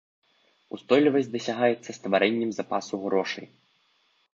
Устойлівасць дасягаецца стварэннем запасу грошай.